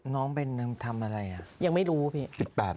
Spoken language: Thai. น้องเป็นทำอะไรยังไม่รู้๑๘วันนึง